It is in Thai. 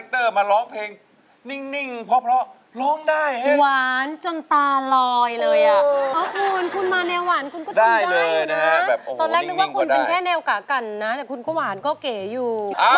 ตอนแรกนึกว่าคุณเป็นแค่แนวกะกันนะแต่คุณก็หวานก็เก๋อยู่